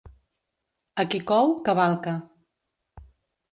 A qui cou, cavalca.